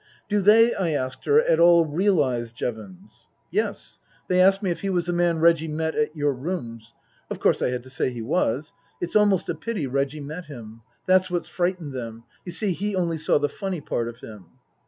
" Do they," I asked her, " at all realize Jevons ?";' Yes. They asked me if he was the man Reggie met at your rooms. Of course I had to say he was. It's almost a pity Reggie met him. That's what's frightened them. You see, he only saw the funny part of him."